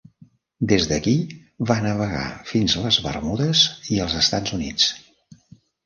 Des d"aquí, va navegar fins les Bermudes i els Estats Units.